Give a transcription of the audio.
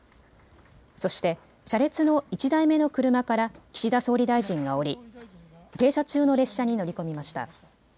そして車列の１台目の車から岸田総理大臣が降り、停車中の列車に乗り込みました。